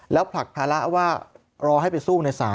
แล้วผลักภาระว่ารอให้ไปสู้ในศาล